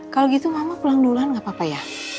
kalau gitu mama pulang duluan gapapa ya